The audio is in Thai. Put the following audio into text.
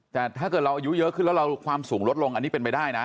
แต่ถ้าเกิดเราอายุเยอะขึ้นแล้วเราความสูงลดลงอันนี้เป็นไปได้นะ